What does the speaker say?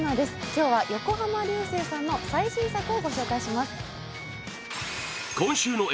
今日は横浜流星さんの最新作をご紹介します。